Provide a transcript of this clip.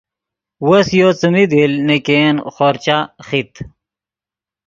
وس یو څیمین دیل نے ګین خورچہ خیت